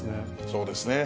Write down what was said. そうですね。